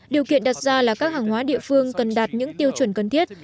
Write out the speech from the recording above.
điều kiện đặt ra là các hàng hóa địa phương cần đạt những tiêu chuẩn cần thiết